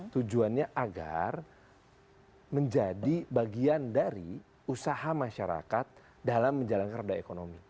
tujuannya agar menjadi bagian dari usaha masyarakat dalam menjalankan reda ekonomi